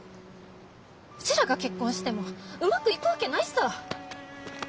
うちらが結婚してもうまくいくわけないさ。